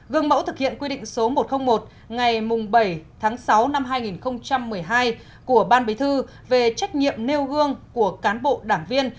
gương mẫu thực hiện quy định số một trăm linh một ngày bảy tháng sáu năm hai nghìn một mươi hai của ban bí thư về trách nhiệm nêu gương của cán bộ đảng viên